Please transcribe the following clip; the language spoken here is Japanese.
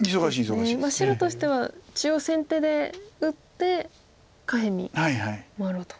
白としては中央先手で打って下辺に回ろうと。